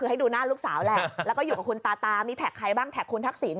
คือให้ดูหน้าลูกสาวแหละแล้วก็อยู่กับคุณตาตามีแท็กใครบ้างแท็กคุณทักษิณ